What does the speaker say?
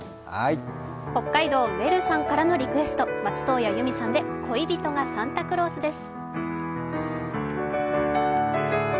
北海道めるさんからのリクエスト、松任谷由実さんで、「恋人がサンタクロース」です。